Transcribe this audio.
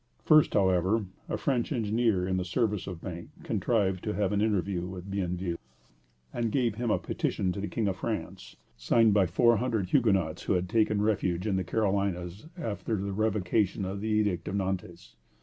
" First, however, a French engineer in the service of Bank contrived to have an interview with Bienville, and gave him a petition to the King of France, signed by four hundred Huguenots who had taken refuge in the Carolinas after the revocation of the Edict of Nantes.